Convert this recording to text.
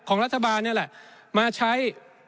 ของรัฐบาลนี่แหละมาใช้